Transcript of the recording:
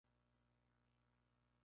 Pasó su juventud en Amberes.